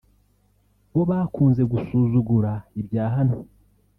bo bakunze gusuzugura ibya hano